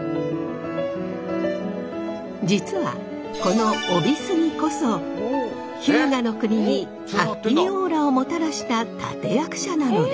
実はこの飫肥杉こそ日向国にハッピーオーラをもたらした立て役者なのです。